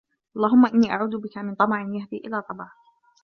اللَّهُمَّ إنِّي أَعُوذُ بِك مِنْ طَمَعٍ يَهْدِي إلَى طَبْعٍ